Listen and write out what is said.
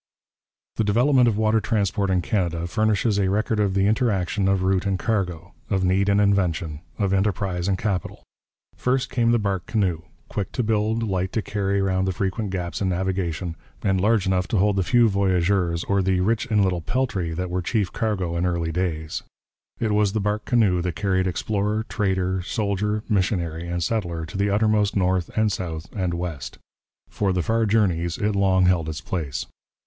The development of water transport in Canada furnishes a record of the interaction of route and cargo, of need and invention, of enterprise and capital. First came the bark canoe, quick to build, light to carry round the frequent gaps in navigation, and large enough to hold the few voyageurs or the rich in little peltry that were chief cargo in early days. It was the bark canoe that carried explorer, trader, soldier, missionary, and settler to the uttermost north and south and west. For the far journeys it long held its place.